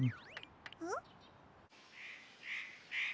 ん？